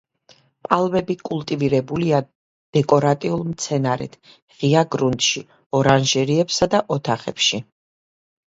პალმები კულტივირებულია დეკორატიულ მცენარედ ღია გრუნტში, ორანჟერეებსა და ოთახებში.